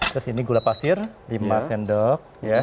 terus ini gula pasir lima sendok